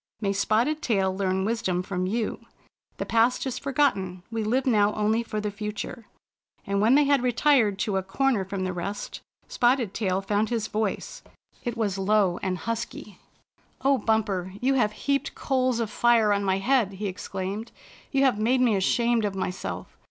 May Spotted Tail learn wisdom from you. The past is for gotten. We live now only for the future." And when they had retired to a corner from the rest, Spotted Tail found his voice. It was low and husky. " O Bumper, you have heaped coals of fire on my head!" he exclaimed. "You have made me ashamed of myself.